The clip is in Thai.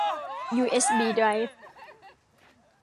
ยูเอสบีไดรฟ์